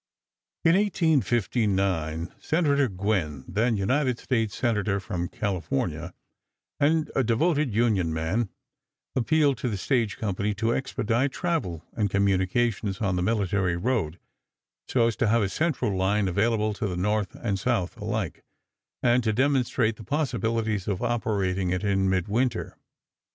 In 1859 Senator Gwinn, then United States Senator from California, and a devoted Union man, appealed to the stage company to expedite travel and communications on the military road, so as to have a central line available to the North and South alike, and to demonstrate the possibilities of operating it in midwinter.